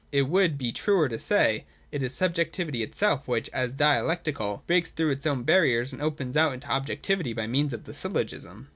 It would be truer to say that it is sub jectivity itself which, as dialectical, breaks through its own barriers and opens out into objectivity by means of the syllogism.